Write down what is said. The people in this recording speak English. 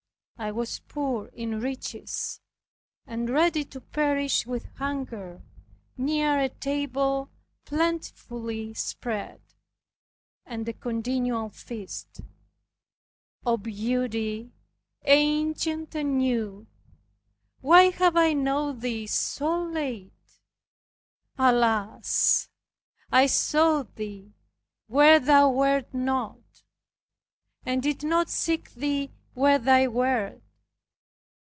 I was poor in riches, and ready to perish with hunger, near a table plentifully spread, and a continual feast. O Beauty, ancient and new; why have I known Thee so late? Alas! I sought Thee where Thou wert not, and did not seek Thee where thou wert.